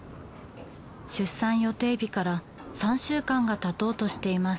出産予定日から３週間が経とうとしています。